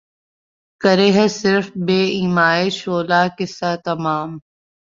کرے ہے صِرف بہ ایمائے شعلہ قصہ تمام